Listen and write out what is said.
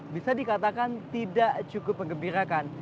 bisa dikatakan tidak cukup mengembirakan